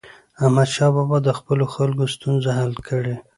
احمدشاه بابا د خپلو خلکو ستونزې حل کړي.